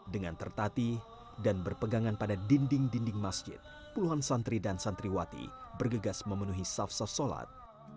dengan tertati dan berpegangan pada dinding dinding masjid puluhan santri dan santriwati bergegas memenuhi saf sas sholat